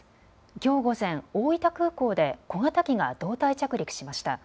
きょう午前、大分空港で小型機が胴体着陸しました。